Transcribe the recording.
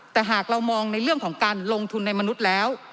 แต่หากเรามองในเรื่องของการลงทุนในมนุษย์แล้ว